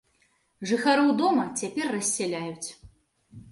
Жыхароў дома цяпер рассяляюць.